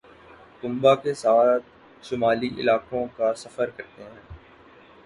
کنبہ کے ساتھ شمالی علاقوں کا سفر کرتے ہیں